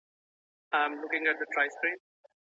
قلمي خط د لوستل سوي متن د هضمولو لاره ده.